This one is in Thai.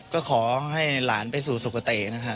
ก็ขอให้หลานไปสู่สุขเตะ